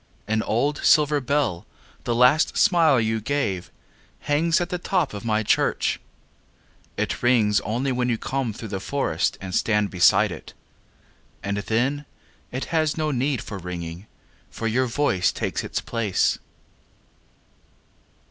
An old silver bell, the last smile you gave, Hangs at the top of my church.It rings only when you come through the forestAnd stand beside it. And then, it has no need for ringing, For your voice takes its place.